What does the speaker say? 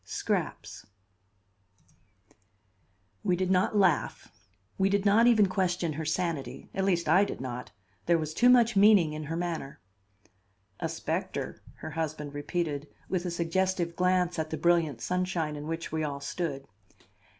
SCRAPS We did not laugh; we did not even question her sanity; at least I did not; there was too much meaning in her manner. "A specter," her husband repeated with a suggestive glance at the brilliant sunshine in which we all stood.